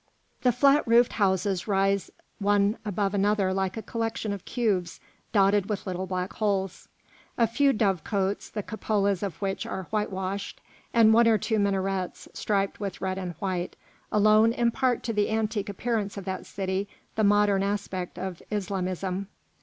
The flat roofed houses rise one above another like a collection of cubes dotted with little black holes. A few dovecotes, the cupolas of which are whitewashed, and one or two minarets striped with red and white, alone impart to the antique appearance of that city the modern aspect of Islamism.